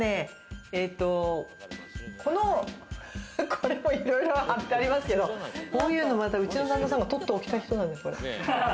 これもいろいろ貼ってありますけど、こういうの、また、旦那さん、取っておきたい人なんです。